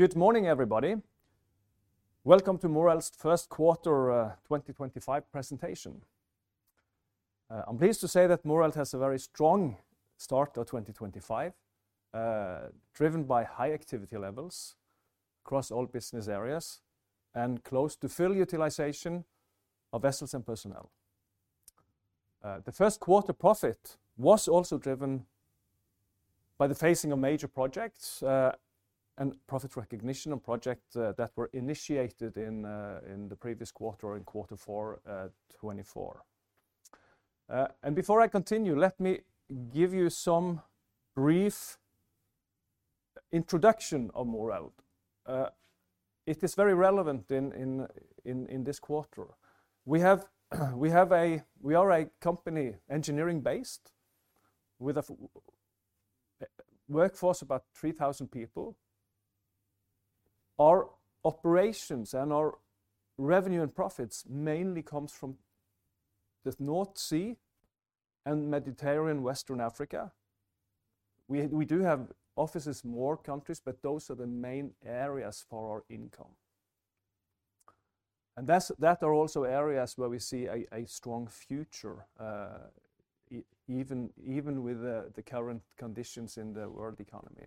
Good morning, everybody. Welcome to Moreld's first quarter 2025 presentation. I'm pleased to say that Moreld has a very strong start to 2025, driven by high activity levels across all business areas and close to full utilization of vessels and personnel. The first quarter profit was also driven by the phasing of major projects and profit recognition on projects that were initiated in the previous quarter or in quarter four 2024. Before I continue, let me give you some brief introduction of Moreld. It is very relevant in this quarter. We are a company engineering-based with a workforce of about 3,000 people. Our operations and our revenue and profits mainly come from the North Sea and Mediterranean, Western Africa. We do have offices in more countries, but those are the main areas for our income. That are also areas where we see a strong future, even with the current conditions in the world economy.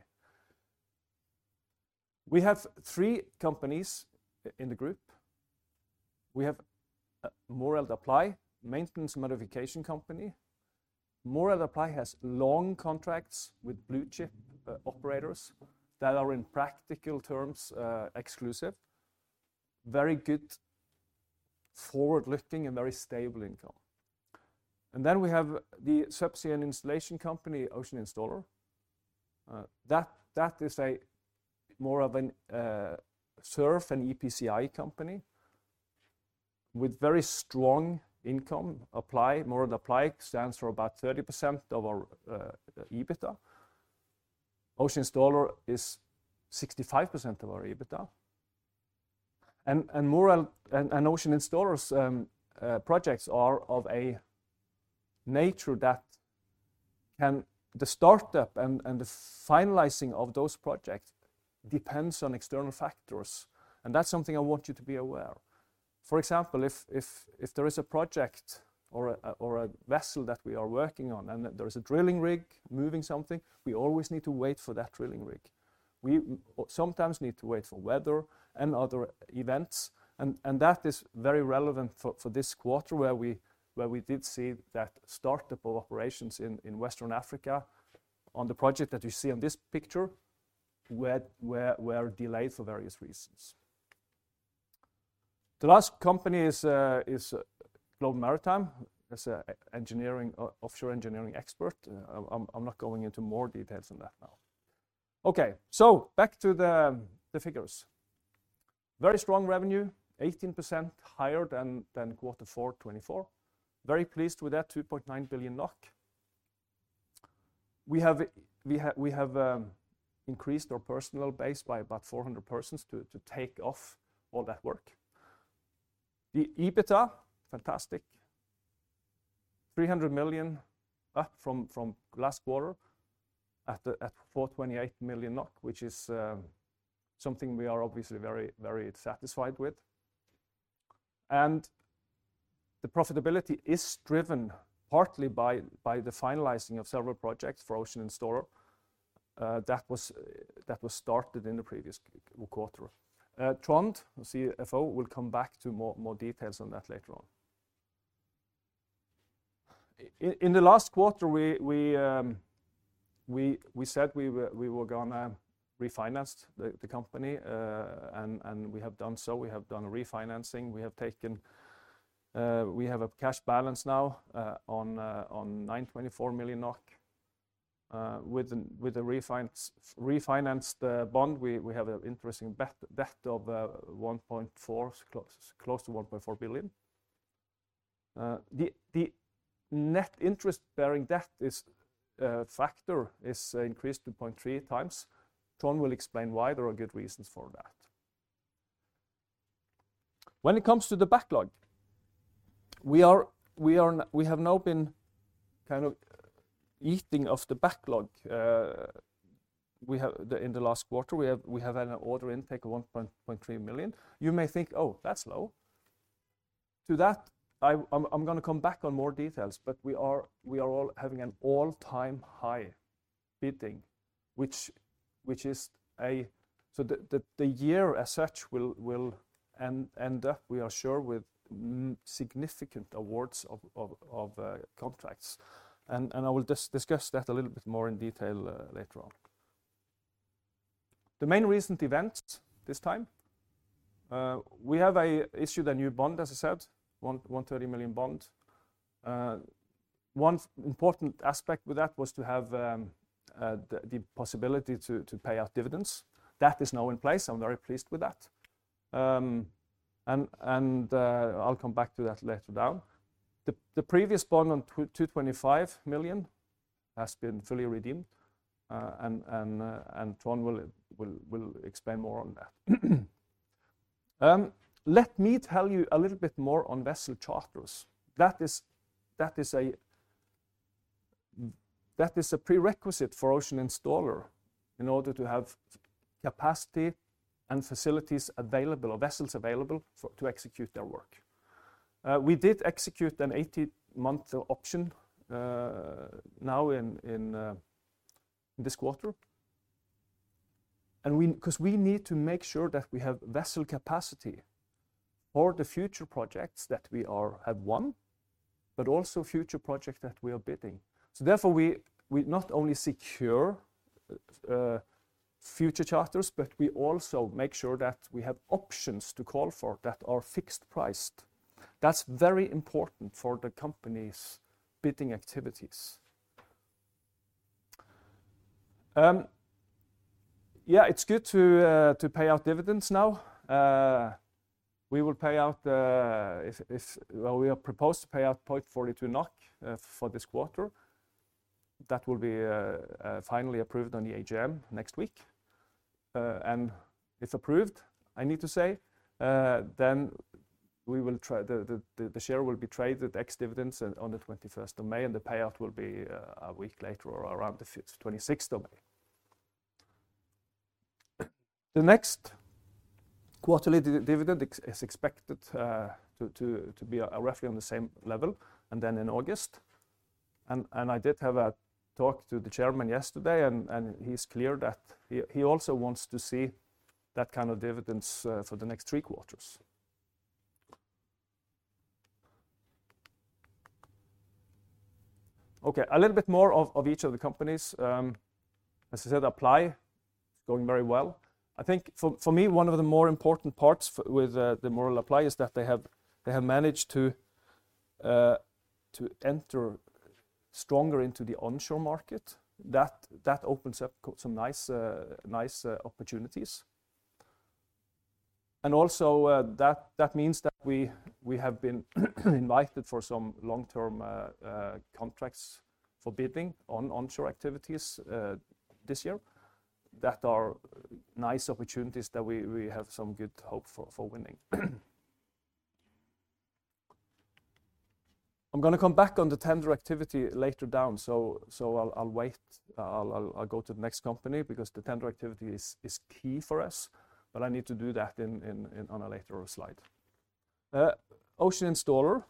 We have three companies in the group. We have Moreld Apply, a maintenance modification company. Moreld Apply has long contracts with blue chip operators that are, in practical terms, exclusive, very good forward-looking, and very stable income. We have the subsea and installation company, Ocean Installer. That is more of a SURF and EPCI company with very strong income. Moreld Apply stands for about 30% of our EBITDA. Ocean Installer is 65% of our EBITDA. Ocean Installer's projects are of a nature that can—the startup and the finalizing of those projects depends on external factors. That is something I want you to be aware of. For example, if there is a project or a vessel that we are working on and there is a drilling rig moving something, we always need to wait for that drilling rig. We sometimes need to wait for weather and other events. That is very relevant for this quarter where we did see that startup of operations in West Africa on the project that you see on this picture were delayed for various reasons. The last company is Global Maritime. It's an offshore engineering expert. I'm not going into more details on that now. Okay, back to the figures. Very strong revenue, 18% higher than quarter four 2024. Very pleased with that 2.9 billion NOK. We have increased our personnel base by about 400 persons to take off all that work. The EBITDA, fantastic. 300 million up from last quarter at 428 million, which is something we are obviously very satisfied with. The profitability is driven partly by the finalizing of several projects for Ocean Installer that was started in the previous quarter. Trond, CFO, will come back to more details on that later on. In the last quarter, we said we were going to refinance the company, and we have done so. We have done a refinancing. We have a cash balance now of NOK 924 million. With the refinanced bond, we have an interest-bearing debt of close to NOK 1.4 billion. The net interest-bearing debt factor is increased to 0.3x. Trond will explain why there are good reasons for that. When it comes to the backlog, we have now been kind of eating off the backlog in the last quarter. We have had an order intake of 1.3 million. You may think, "Oh, that's low." To that, I'm going to come back on more details, but we are all having an all-time high bidding, which is a—so the year as such will end up, we are sure, with significant awards of contracts. I will discuss that a little bit more in detail later on. The main recent events this time, we have issued a new bond, as I said, 130 million bond. One important aspect with that was to have the possibility to pay out dividends. That is now in place. I'm very pleased with that. I will come back to that later down. The previous bond on 225 million has been fully redeemed, and Trond will explain more on that. Let me tell you a little bit more on vessel charters. That is a prerequisite for Ocean Installer in order to have capacity and facilities available, or vessels available to execute their work. We did execute an 18-month option now in this quarter because we need to make sure that we have vessel capacity for the future projects that we have won, but also future projects that we are bidding. Therefore, we not only secure future charters, but we also make sure that we have options to call for that are fixed priced. That is very important for the company's bidding activities. Yeah, it is good to pay out dividends now. We will pay out—we are proposed to pay out 0.42 NOK for this quarter. That will be finally approved at the AGM next week. If approved, I need to say, then the share will be traded ex-dividends on the 21st of May, and the payout will be a week later or around the 26th of May. The next quarterly dividend is expected to be roughly on the same level and then in August. I did have a talk to the chairman yesterday, and he's clear that he also wants to see that kind of dividends for the next three quarters. Okay, a little bit more of each of the companies. As I said, Apply is going very well. I think for me, one of the more important parts with the Moreld Apply is that they have managed to enter stronger into the onshore market. That opens up some nice opportunities. Also, that means that we have been invited for some long-term contracts for bidding on onshore activities this year. That are nice opportunities that we have some good hope for winning. I'm going to come back on the tender activity later down, so I'll wait. I'll go to the next company because the tender activity is key for us, but I need to do that on a later slide. Ocean Installer,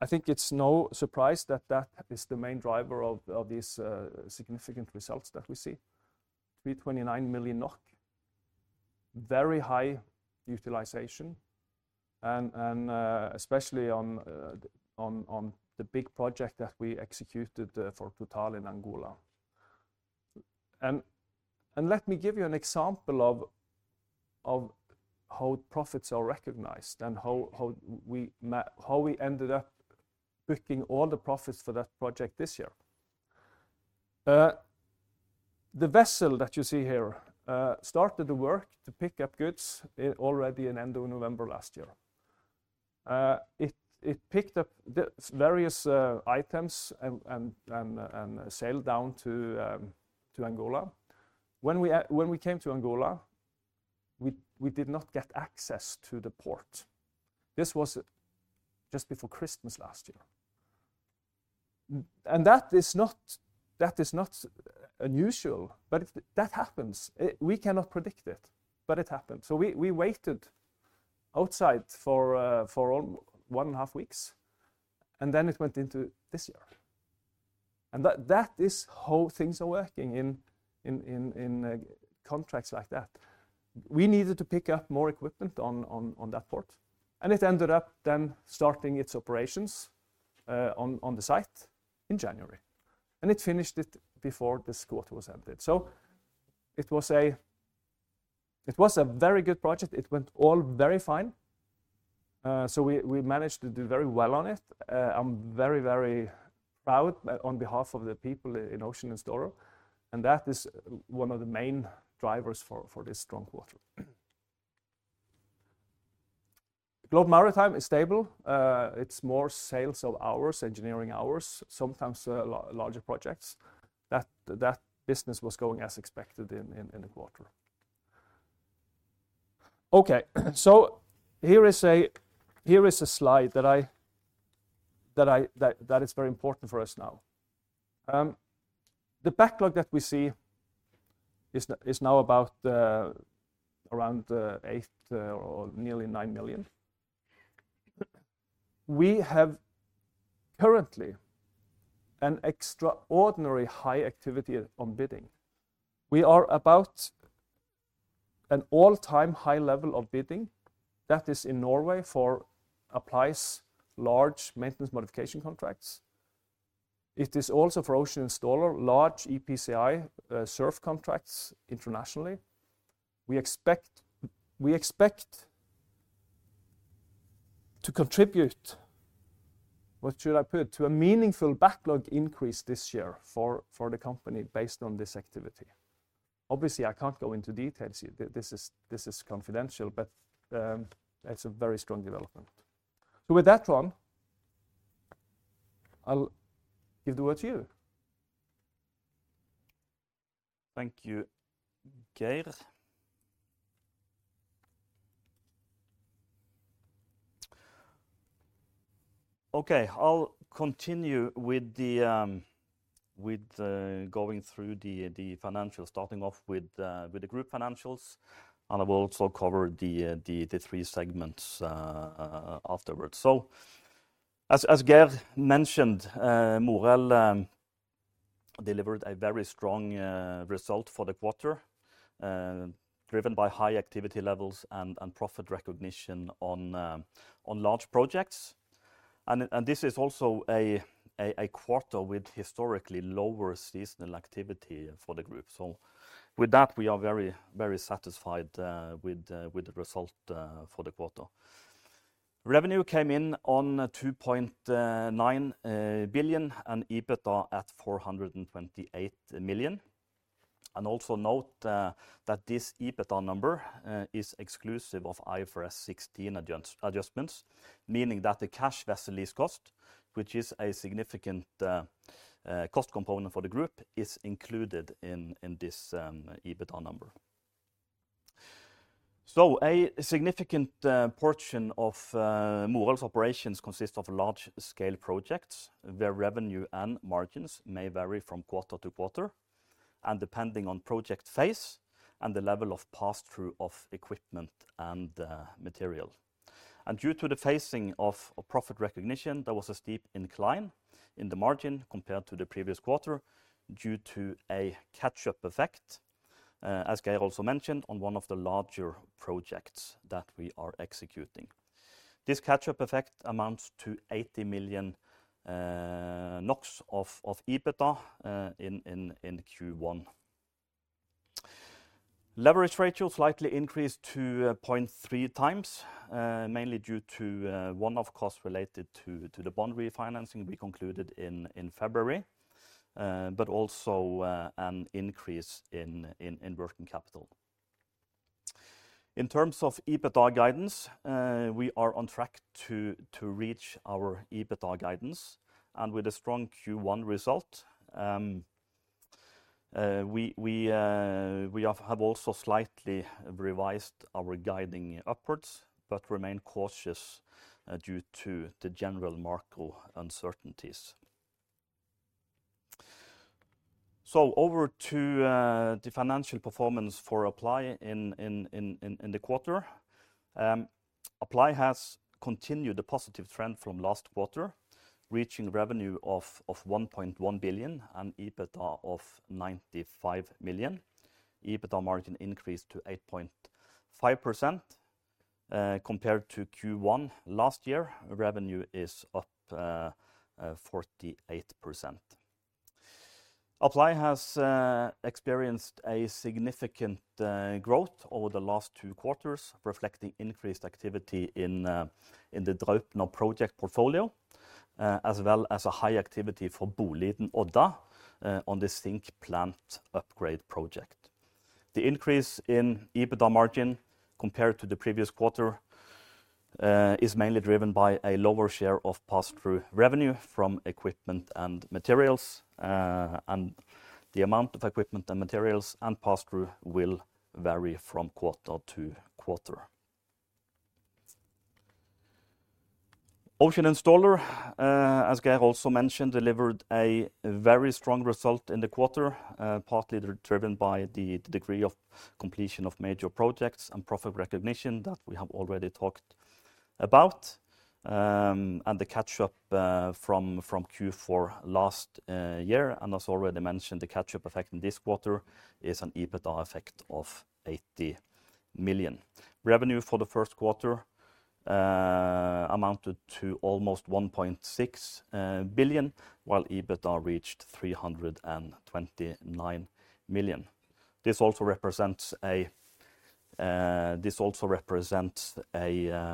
I think it's no surprise that that is the main driver of these significant results that we see. 329 million NOK. Very high utilization, and especially on the big project that we executed for Total in Angola. Let me give you an example of how profits are recognized and how we ended up booking all the profits for that project this year. The vessel that you see here started the work to pick up goods already in end of November last year. It picked up various items and sailed down to Angola. When we came to Angola, we did not get access to the port. This was just before Christmas last year. That is not unusual, but that happens. We cannot predict it, but it happened. We waited outside for one and a half weeks, and then it went into this year. That is how things are working in contracts like that. We needed to pick up more equipment on that port, and it ended up then starting its operations on the site in January. It finished it before this quarter was ended. It was a very good project. It went all very fine. We managed to do very well on it. I'm very, very proud on behalf of the people in Ocean Installer. That is one of the main drivers for this strong quarter. Global Maritime is stable. It's more sales of hours, engineering hours, sometimes larger projects. That business was going as expected in the quarter. Okay, here is a slide that is very important for us now. The backlog that we see is now about around 8 million or nearly 9 million. We have currently an extraordinarily high activity on bidding. We are about at an all-time high level of bidding. That is in Norway for Apply's large maintenance modification contracts. It is also for Ocean Installer, large EPCI SURF contracts internationally. We expect to contribute, what should I put, to a meaningful backlog increase this year for the company based on this activity. Obviously, I can't go into details. This is confidential, but it's a very strong development. With that, Trond, I'll give the word to you. Thank you, Geir. Okay, I'll continue with going through the financials, starting off with the group financials, and I will also cover the three segments afterwards. As Geir mentioned, Moreld delivered a very strong result for the quarter, driven by high activity levels and profit recognition on large projects. This is also a quarter with historically lower seasonal activity for the group. With that, we are very satisfied with the result for the quarter. Revenue came in on 2.9 billion and EBITDA at 428 million. Also note that this EBITDA number is exclusive of IFRS 16 adjustments, meaning that the cash vessel lease cost, which is a significant cost component for the group, is included in this EBITDA number. A significant portion of Moreld's operations consists of large-scale projects where revenue and margins may vary from quarter to quarter and depending on project phase and the level of pass-through of equipment and material. Due to the phasing of profit recognition, there was a steep incline in the margin compared to the previous quarter due to a catch-up effect, as Geir also mentioned, on one of the larger projects that we are executing. This catch-up effect amounts to 80 million NOK of EBITDA in Q1. Leverage ratio slightly increased to 0.3x, mainly due to one-off costs related to the bond refinancing we concluded in February, but also an increase in working capital. In terms of EBITDA guidance, we are on track to reach our EBITDA guidance. With a strong Q1 result, we have also slightly revised our guiding upwards, but remain cautious due to the general market uncertainties. Over to the financial performance for Apply in the quarter. Apply has continued a positive trend from last quarter, reaching revenue of 1.1 billion and EBITDA of 95 million. EBITDA margin increased to 8.5% compared to Q1 last year. Revenue is up 48%. Apply has experienced significant growth over the last two quarters, reflecting increased activity in the Draupner project portfolio, as well as high activity for Boliden Odda on the zinc plant upgrade project. The increase in EBITDA margin compared to the previous quarter is mainly driven by a lower share of pass-through revenue from equipment and materials. The amount of equipment and materials and pass-through will vary from quarter to quarter. Ocean Installer, as Geir also mentioned, delivered a very strong result in the quarter, partly driven by the degree of completion of major projects and profit recognition that we have already talked about, and the catch-up from Q4 last year. As already mentioned, the catch-up effect in this quarter is an EBITDA effect of 80 million. Revenue for the first quarter amounted to almost 1.6 billion, while EBITDA reached 329 million. This also represents a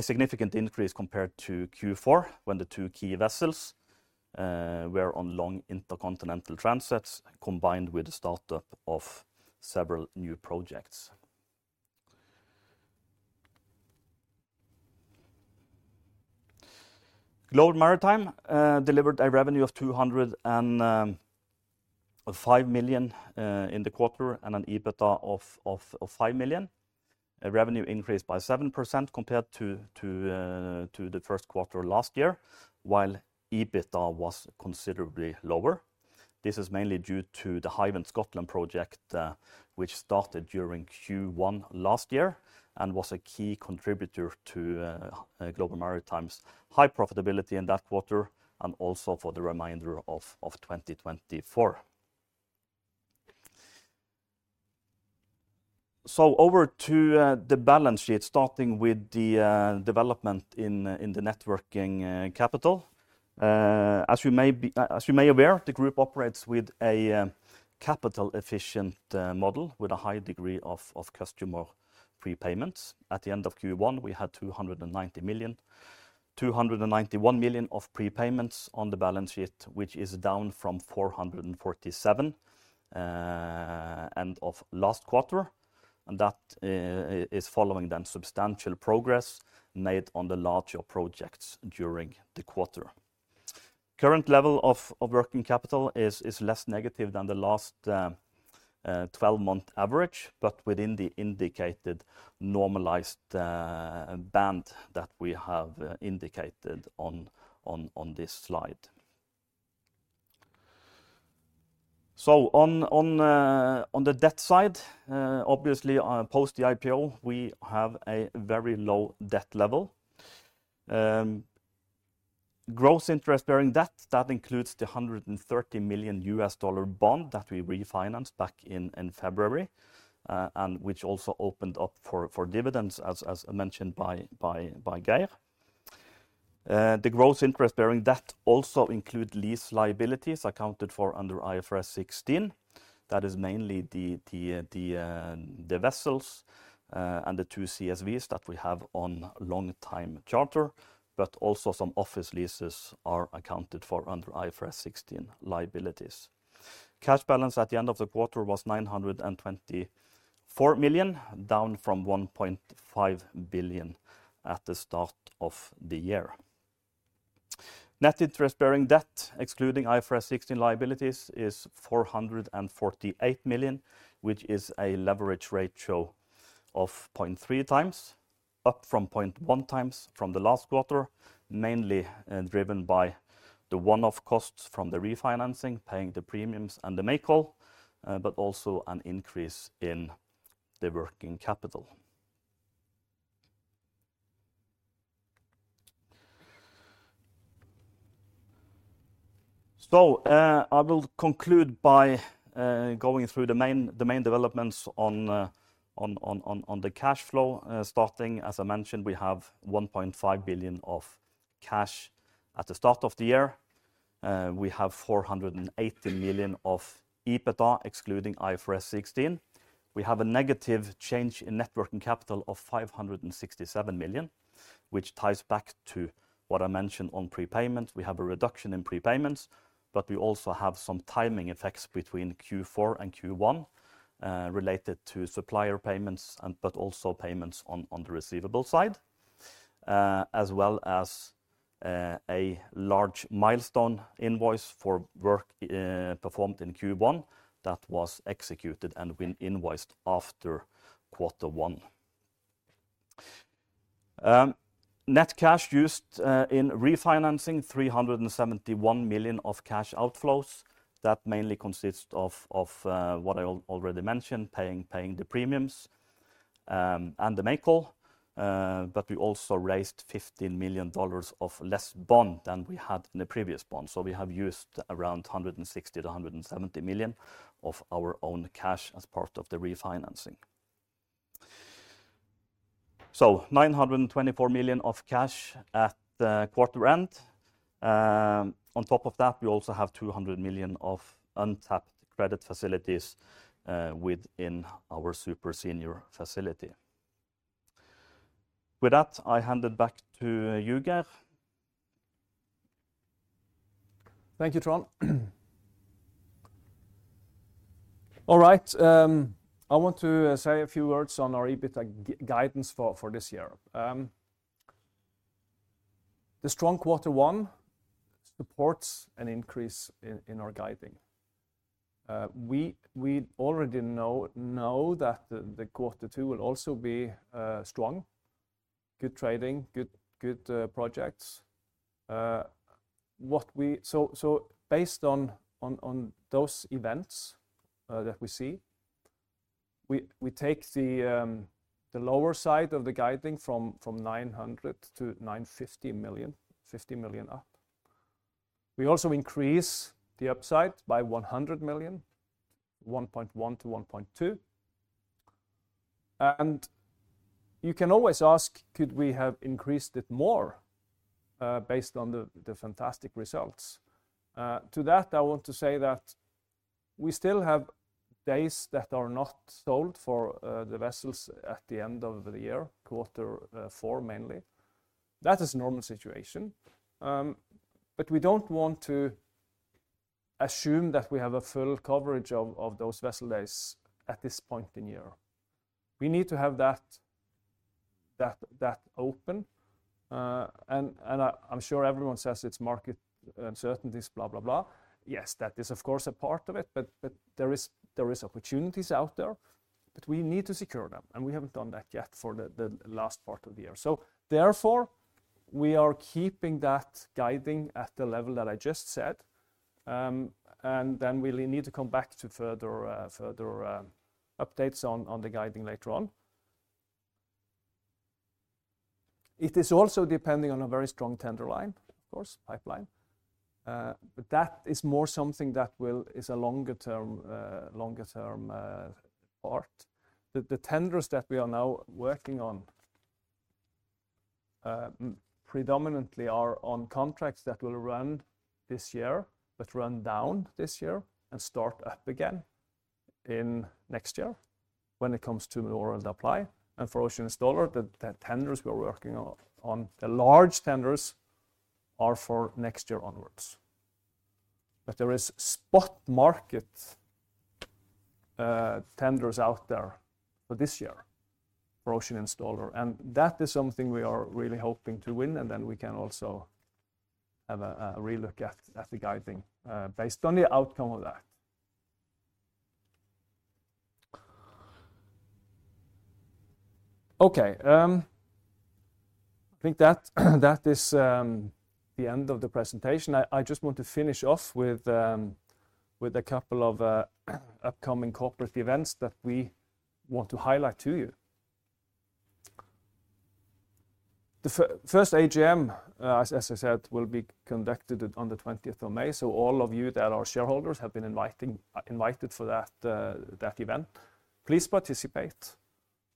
significant increase compared to Q4, when the two key vessels were on long intercontinental transits, combined with the startup of several new projects. Global Maritime delivered a revenue of 205 million in the quarter and an EBITDA of 5 million. Revenue increased by 7% compared to the first quarter last year, while EBITDA was considerably lower. This is mainly due to the Highland Scotland project, which started during Q1 last year and was a key contributor to Global Maritime's high profitability in that quarter and also for the remainder of 2024. Over to the balance sheet, starting with the development in the networking capital. As you may be aware, the group operates with a capital-efficient model with a high degree of customer prepayments. At the end of Q1, we had 291 million of prepayments on the balance sheet, which is down from 447 million end of last quarter. That is following substantial progress made on the larger projects during the quarter. Current level of working capital is less negative than the last 12-month average, but within the indicated normalized band that we have indicated on this slide. On the debt side, obviously, post the IPO, we have a very low debt level. Gross interest-bearing debt, that includes the $130 million bond that we refinanced back in February and which also opened up for dividends, as mentioned by Geir. The gross interest-bearing debt also includes lease liabilities accounted for under IFRS 16. That is mainly the vessels and the two CSVs that we have on long-time charter, but also some office leases are accounted for under IFRS 16 liabilities. Cash balance at the end of the quarter was 924 million, down from 1.5 billion at the start of the year. Net interest-bearing debt, excluding IFRS 16 liabilities, is 448 million, which is a leverage ratio of 0.3x, up from 0.1x from the last quarter, mainly driven by the one-off costs from the refinancing, paying the premiums and the make-all, but also an increase in the working capital. I will conclude by going through the main developments on the cash flow. Starting, as I mentioned, we have 1.5 billion of cash at the start of the year. We have 480 million of EBITDA, excluding IFRS 16. We have a negative change in net working capital of 567 million, which ties back to what I mentioned on prepayments. We have a reduction in prepayments, but we also have some timing effects between Q4 and Q1 related to supplier payments, but also payments on the receivable side, as well as a large milestone invoice for work performed in Q1 that was executed and invoiced after quarter one. Net cash used in refinancing, 371 million of cash outflows. That mainly consists of what I already mentioned, paying the premiums and the make-all. We also raised $15 million of less bond than we had in the previous bond. So we have used around 160 million to 170 million of our own cash as part of the refinancing. So 924 million of cash at quarter end. On top of that, we also have 200 million of untapped credit facilities within our super senior facility. With that, I hand it back to you, Geir. Thank you, Trond. All right, I want to say a few words on our EBITDA guidance for this year. The strong quarter one supports an increase in our guiding. We already know that the quarter two will also be strong. Good trading, good projects. Based on those events that we see, we take the lower side of the guiding from 900 million-950 million, 50 million up. We also increase the upside by 100 million, 1.1 billion-1.2 billion. You can always ask, could we have increased it more based on the fantastic results? To that, I want to say that we still have days that are not sold for the vessels at the end of the year, quarter four mainly. That is a normal situation. We do not want to assume that we have a full coverage of those vessel days at this point in the year. We need to have that open. I'm sure everyone says it's market uncertainties, blah, blah, blah. Yes, that is of course a part of it, but there are opportunities out there. We need to secure them, and we have not done that yet for the last part of the year. Therefore, we are keeping that guiding at the level that I just said. We need to come back to further updates on the guiding later on. It is also depending on a very strong tender line, of course, pipeline. That is more something that is a longer-term part. The tenders that we are now working on predominantly are on contracts that will run this year, but run down this year and start up again next year when it comes to Moreld Apply. For Ocean Installer, the tenders we're working on, the large tenders are for next year onwards. There are spot market tenders out there for this year for Ocean Installer. That is something we are really hoping to win, and then we can also have a re-look at the guiding based on the outcome of that. Okay, I think that is the end of the presentation. I just want to finish off with a couple of upcoming corporate events that we want to highlight to you. The first AGM, as I said, will be conducted on the 20th of May. All of you that are shareholders have been invited for that event. Please participate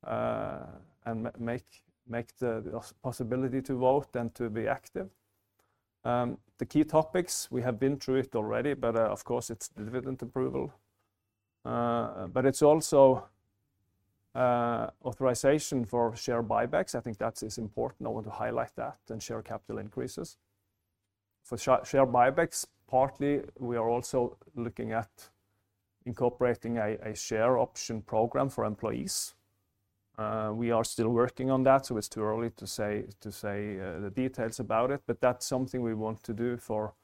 and make the possibility to vote and to be active. The key topics, we have been through it already, but of course it's the dividend approval. It's also authorization for share buybacks. I think that is important. I want to highlight that and share capital increases. For share buybacks, partly we are also looking at incorporating a share option program for employees. We are still working on that, so it's too early to say the details about it, but that's something we want to do for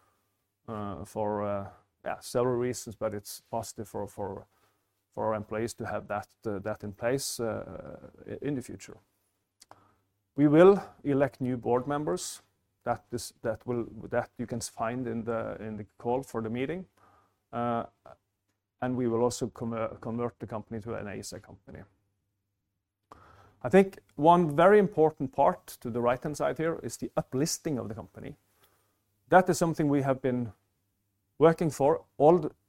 several reasons, but it's positive for our employees to have that in place in the future. We will elect new board members. That you can find in the call for the meeting. We will also convert the company to an ASA company. I think one very important part to the right-hand side here is the uplisting of the company. That is something we have been working for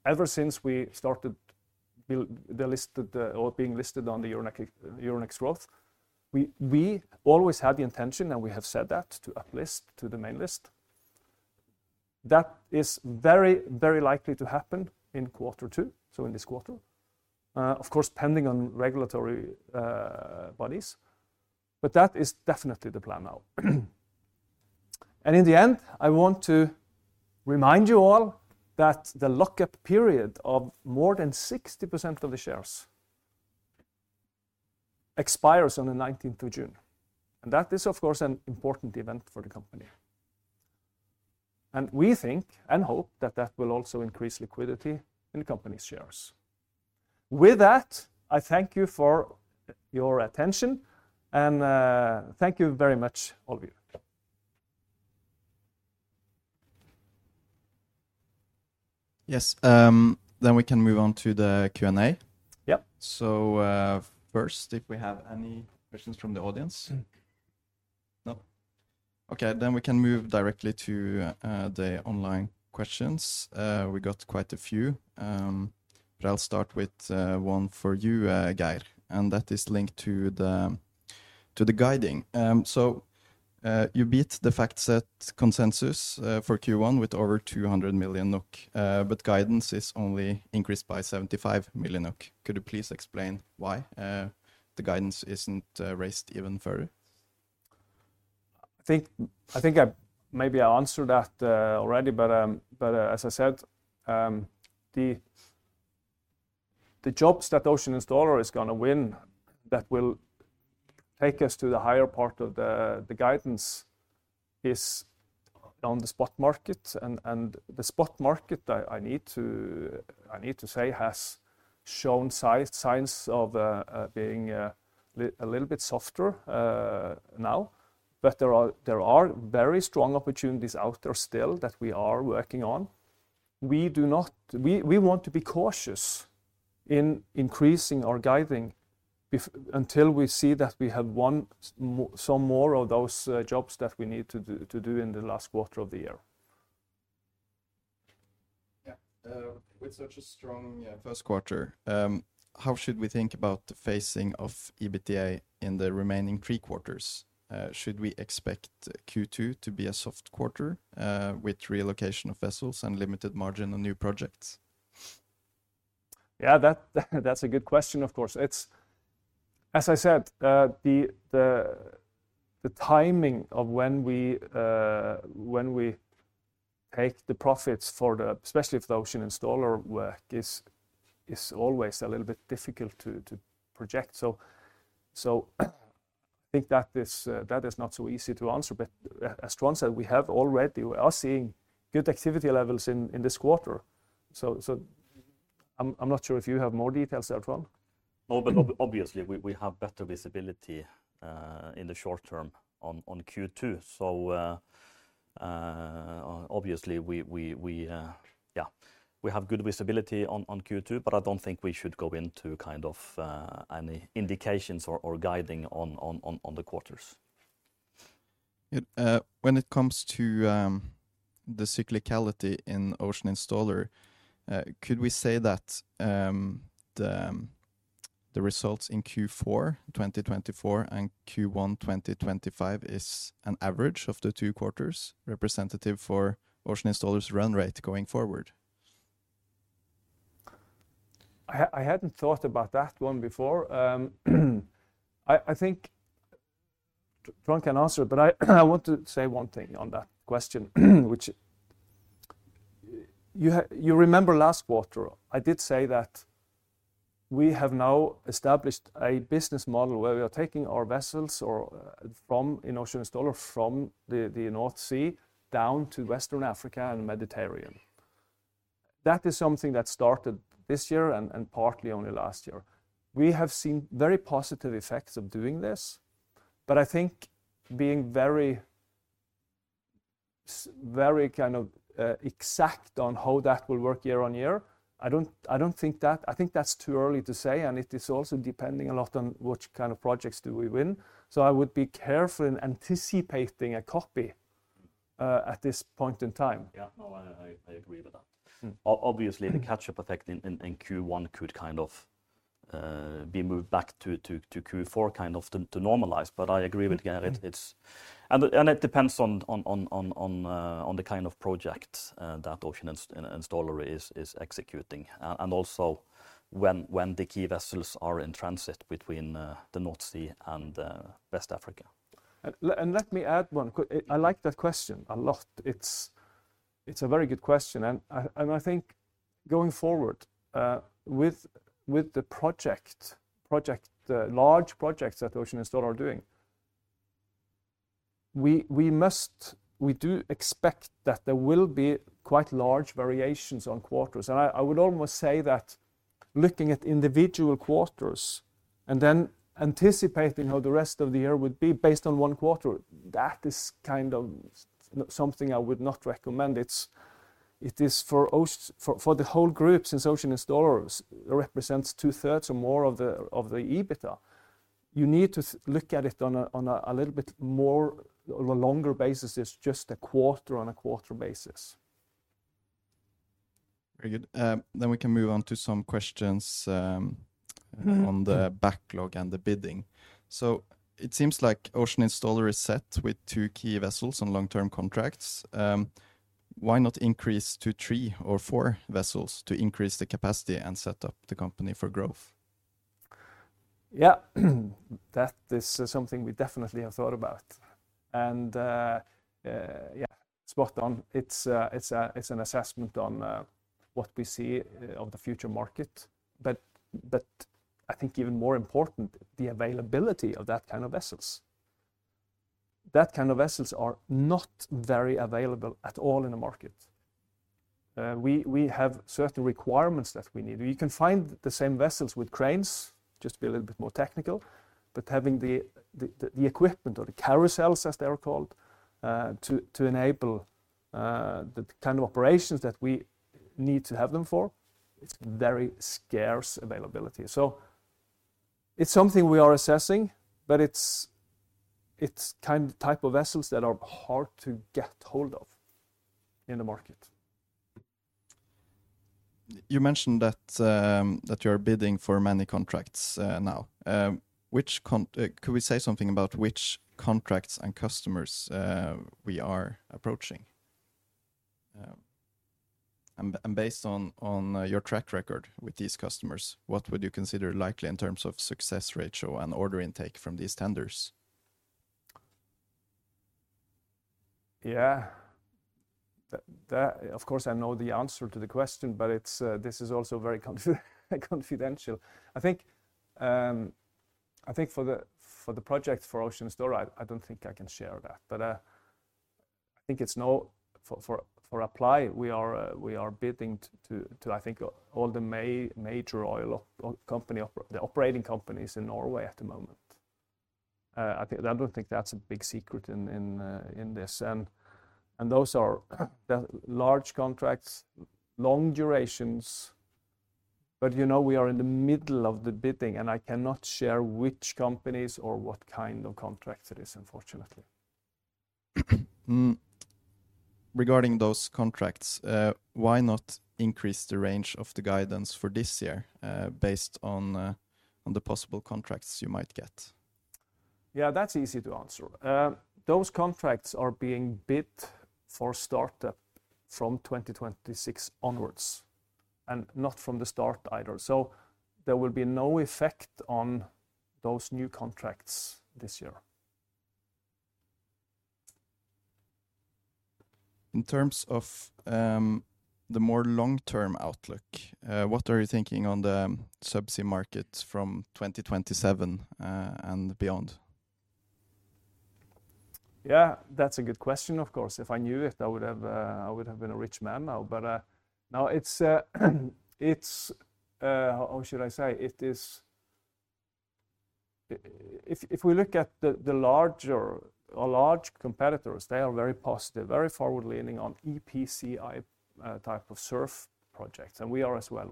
ever since we started being listed on the Euronext Growth. We always had the intention, and we have said that, to uplist to the main list. That is very, very likely to happen in quarter two, so in this quarter, of course, pending on regulatory bodies. That is definitely the plan now. In the end, I want to remind you all that the lock-up period of more than 60% of the shares expires on the 19th of June. That is, of course, an important event for the company. We think and hope that that will also increase liquidity in the company's shares. With that, I thank you for your attention, and thank you very much, all of you. Yes, then we can move on to the Q&A. First, if we have any questions from the audience? No? Okay, we can move directly to the online questions. We got quite a few, but I'll start with one for you, Geir, and that is linked to the guiding. You beat the fact-set consensus for Q1 with over 200 million NOK, but guidance is only increased by 75 million NOK. Could you please explain why the guidance isn't raised even further? I think maybe I answered that already, but as I said, the jobs that Ocean Installer is going to win that will take us to the higher part of the guidance is on the spot market. The spot market, I need to say, has shown signs of being a little bit softer now, but there are very strong opportunities out there still that we are working on. We want to be cautious in increasing our guiding until we see that we have some more of those jobs that we need to do in the last quarter of the year. Yeah, with such a strong first quarter, how should we think about the phasing of EBITDA in the remaining three quarters? Should we expect Q2 to be a soft quarter with relocation of vessels and limited margin on new projects? Yeah, that's a good question, of course. As I said, the timing of when we take the profits for the, especially for the Ocean Installer work, is always a little bit difficult to project. I think that is not so easy to answer, but as Trond said, we have already, we are seeing good activity levels in this quarter. I'm not sure if you have more details there, Trond. No, but obviously, we have better visibility in the short term on Q2. Obviously, yeah, we have good visibility on Q2, but I don't think we should go into kind of any indications or guiding on the quarters. When it comes to the cyclicality in Ocean Installer, could we say that the results in Q4 2024 and Q1 2025, is an average of the two quarters representative for Ocean Installer's run rate going forward? I hadn't thought about that one before. I think Trond can answer it, but I want to say one thing on that question, which you remember last quarter. I did say that we have now established a business model where we are taking our vessels from, in Ocean Installer, from the North Sea down to West Africa and the Mediterranean. That is something that started this year and partly only last year. We have seen very positive effects of doing this, but I think being very, very kind of exact on how that will work year on year, I do not think that, I think that is too early to say, and it is also depending a lot on which kind of projects do we win. I would be careful in anticipating a copy at this point in time. Yeah, no, I agree with that. Obviously, the catch-up effect in Q1 could kind of be moved back to Q4 kind of to normalize, but I agree with Geir. It depends on the kind of project that Ocean Installer is executing and also when the key vessels are in transit between the North Sea and West Africa. Let me add one. I like that question a lot. It's a very good question. I think going forward with the project, large projects that Ocean Installer are doing, we do expect that there will be quite large variations on quarters. I would almost say that looking at individual quarters and then anticipating how the rest of the year would be based on one quarter, that is kind of something I would not recommend. It is for the whole group since Ocean Installer represents two-thirds or more of the EBITDA. You need to look at it on a little bit more or a longer basis than just a quarter on a quarter basis. Very good. We can move on to some questions on the backlog and the bidding. It seems like Ocean Installer is set with two key vessels on long-term contracts. Why not increase to three or four vessels to increase the capacity and set up the company for growth? Yeah, that is something we definitely have thought about. Yeah, spot on. It's an assessment on what we see of the future market. I think even more important, the availability of that kind of vessels. That kind of vessels are not very available at all in the market. We have certain requirements that we need. You can find the same vessels with cranes, just to be a little bit more technical, but having the equipment or the carousels, as they are called, to enable the kind of operations that we need to have them for, it's very scarce availability. It's something we are assessing, but it's the kind of type of vessels that are hard to get hold of in the market. You mentioned that you're bidding for many contracts now. Could we say something about which contracts and customers we are approaching? And based on your track record with these customers, what would you consider likely in terms of success ratio and order intake from these tenders? Yeah, of course, I know the answer to the question, but this is also very confidential. I think for the project for Ocean Installer, I don't think I can share that. I think for Apply, we are bidding to all the major oil companies, the operating companies in Norway at the moment. I don't think that's a big secret in this. Those are large contracts, long durations. You know we are in the middle of the bidding, and I cannot share which companies or what kind of contracts it is, unfortunately. Regarding those contracts, why not increase the range of the guidance for this year based on the possible contracts you might get? Yeah, that's easy to answer. Those contracts are being bid for startup from 2026 onwards and not from the start either. There will be no effect on those new contracts this year. In terms of the more long-term outlook, what are you thinking on the subsea market from 2027 and beyond? Yeah, that's a good question, of course. If I knew it, I would have been a rich man now. Now it's, how should I say, it is, if we look at the larger, our large competitors, they are very positive, very forward-leaning on EPCI type of SURF projects, and we are as well.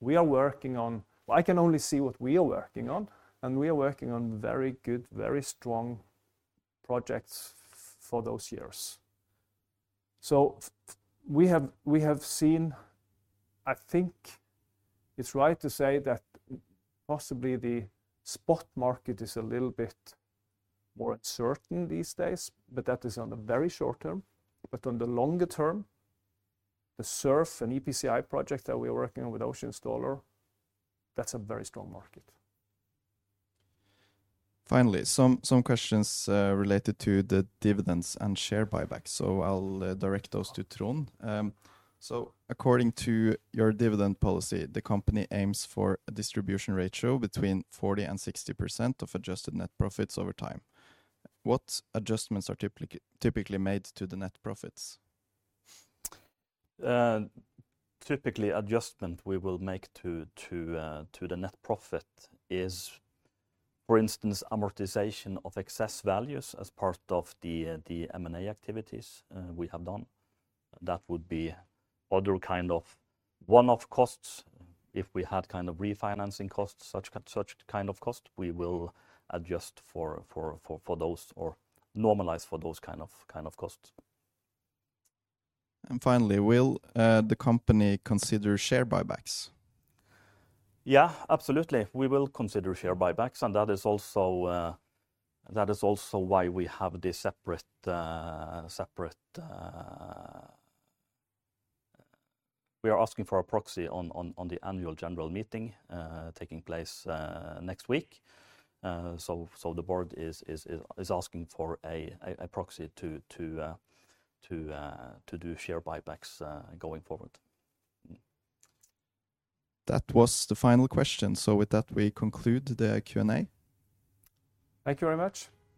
We are working on, I can only see what we are working on, and we are working on very good, very strong projects for those years. We have seen, I think it's right to say that possibly the spot market is a little bit more uncertain these days, but that is on the very short term. On the longer term, the SURF and EPCI project that we are working on with Ocean Installer, that's a very strong market. Finally, some questions related to the dividends and share buybacks. I'll direct those to Trond. According to your dividend policy, the company aims for a distribution ratio between 40-60% of adjusted net profits over time. What adjustments are typically made to the net profits? Typically, adjustment we will make to the net profit is, for instance, amortization of excess values as part of the M&A activities we have done. That would be other kind of one-off costs. If we had kind of refinancing costs, such kind of cost, we will adjust for those or normalize for those kind of costs. Finally, will the company consider share buybacks? Yeah, absolutely. We will consider share buybacks, and that is also why we have this separate, we are asking for a proxy on the annual general meeting taking place next week. The board is asking for a proxy to do share buybacks going forward. That was the final question. With that, we conclude the Q&A. Thank you very much.